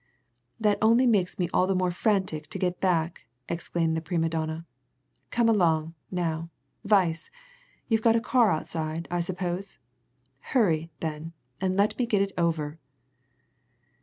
"That only makes me all the more frantic to get back," exclaimed the prima donna. "Come along, now, Weiss you've got a car outside, I suppose? Hurry, then, and let me get it over."